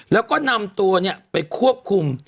แล้วก็นำตัวไปควบคุม